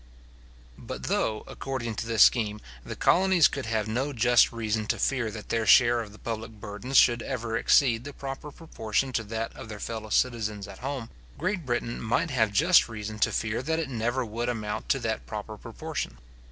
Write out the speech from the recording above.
But though, according to this scheme, the colonies could have no just reason to fear that their share of the public burdens should ever exceed the proper proportion to that of their fellow citizens at home, Great Britain might have just reason to fear that it never would amount to that proper proportion.